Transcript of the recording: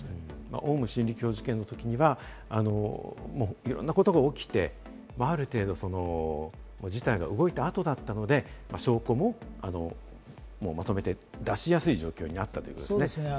オウム真理教事件のときにはいろんなことが起きて、ある程度、事態が動いた後だったので、証拠もまとめて出しやすい状況になったということですね。